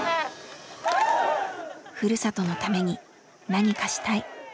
「ふるさとのために何かしたい」